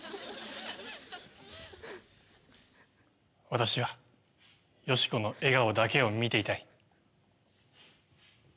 私はヨシコの笑顔だけを見ていたい。